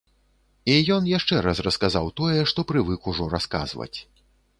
І ён яшчэ раз расказаў тое, што прывык ужо расказваць.